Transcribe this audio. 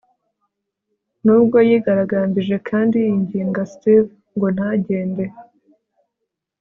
nubwo yigaragambije kandi yinginga steve ngo ntagende